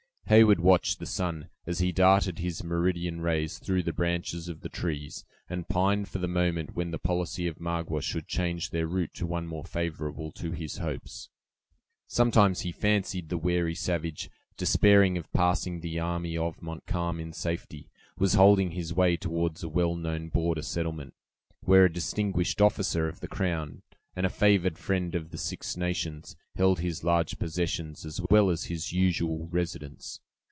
Heyward watched the sun, as he darted his meridian rays through the branches of the trees, and pined for the moment when the policy of Magua should change their route to one more favorable to his hopes. Sometimes he fancied the wary savage, despairing of passing the army of Montcalm in safety, was holding his way toward a well known border settlement, where a distinguished officer of the crown, and a favored friend of the Six Nations, held his large possessions, as well as his usual residence.